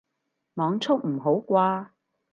網速唔好啩